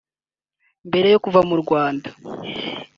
Mbere yo kuva mu Rwanda